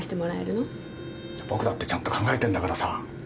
僕だってちゃんと考えてんだからさ。